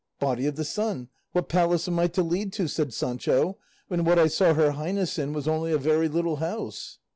"Body of the sun! what palace am I to lead to," said Sancho, "when what I saw her highness in was only a very little house?"